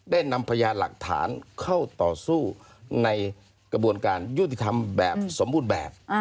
นำพยานหลักฐานเข้าต่อสู้ในกระบวนการยุติธรรมแบบสมบูรณ์แบบ